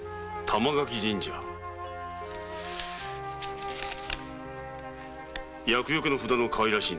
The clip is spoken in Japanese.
「玉垣神社」か。